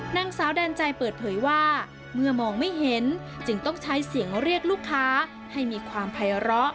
นางสาวแดนใจเปิดเผยว่าเมื่อมองไม่เห็นจึงต้องใช้เสียงเรียกลูกค้าให้มีความภัยร้อ